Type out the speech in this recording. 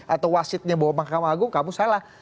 atau wasitnya bawah makam agung kamu salah